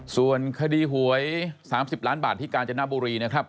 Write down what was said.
ส่วนคดีหวย๓๐ล้านบาทที่กาญจนบุรีนะครับ